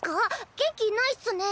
元気ないっスね。